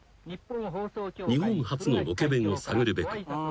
［日本初のロケ弁を探るべく］